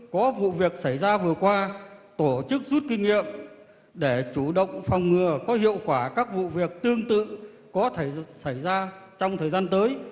có vụ việc xảy ra vừa qua tổ chức rút kinh nghiệm để chủ động phòng ngừa có hiệu quả các vụ việc tương tự có thể xảy ra trong thời gian tới